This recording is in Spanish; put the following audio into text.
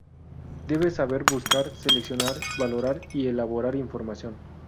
Debe saber buscar, seleccionar, valorar y elaborar información.